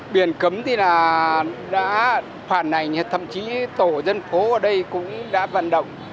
biển cấm thì là đã phản ảnh thậm chí tổ dân phố ở đây cũng đã vận động